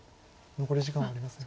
残り時間はありません。